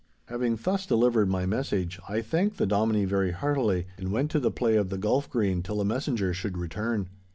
Having thus delivered my message, I thanked the Dominie very heartily, and went to the play of the golf green till the messenger should return.